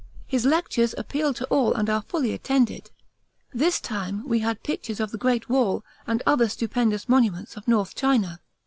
His lectures appeal to all and are fully attended. This time we had pictures of the Great Wall and other stupendous monuments of North China.